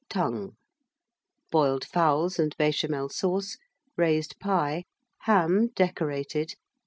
Tongue. Boiled Fowls and Béchamel Sauce. Raised Pie. Ham, decorated.